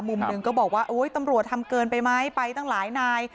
มุมหนึ่งก็บอกว่าโอ๊ยตำรวจทำเกินไปไหมไปตั้งหลายนาย